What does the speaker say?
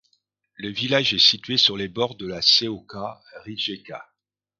Le village est situé sur les bords de la Seočka rijeka.